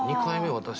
私。